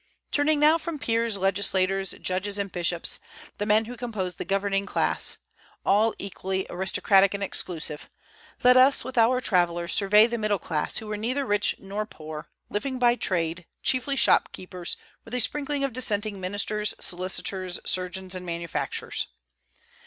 Turning now from peers, legislators, judges, and bishops, the men who composed the governing class, all equally aristocratic and exclusive, let us with our traveller survey the middle class, who were neither rich nor poor, living by trade, chiefly shopkeepers, with a sprinkling of dissenting ministers, solicitors, surgeons, and manufacturers.